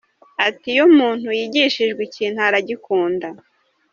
Ati “Iyo umuntu yigishijwe ikintu aragikunda.